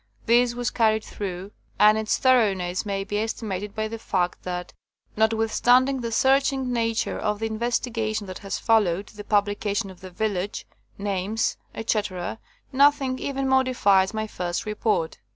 This was carried through, and its thor oughness may be estimated by the fact that, notwithstanding the searching nature of the investigation that has followed the publica tion of the village, names, etc., nothing even modifies my first report.